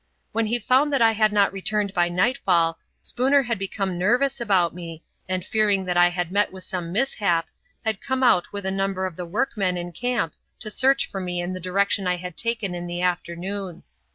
When he found that I had not returned by nightfall, Spooner had become nervous about me, and fearing that I had met with some mishap, had come out with a number of the workmen in camp to search for me in the direction I had taken in the afternoon.